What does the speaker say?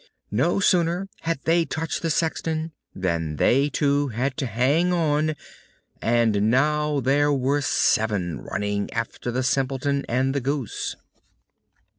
No sooner had they touched the sexton, than they too had to hang on, and now there were seven running after the Simpleton and the goose.